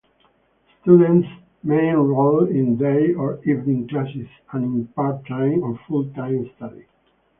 Students may enroll in day or evening classes and in part-time or full-time study.